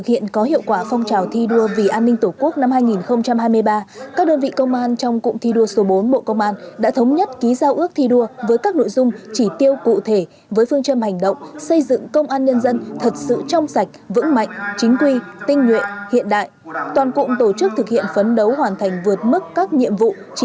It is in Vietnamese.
chiều nay ký kết giao ước thi đua vì an ninh tổ quốc năm hai nghìn hai mươi ba các đơn vị thống nhất nhiều nội dung quan trọng trọng tâm là thực hiện nghiêm túc phương châm khẩu hiệu xây dựng công an nhân dân thật sự trong sạch vững mạnh chính quy tinh nguyện hiện đại theo tinh thần nghị quyết số một mươi hai của bộ chính trị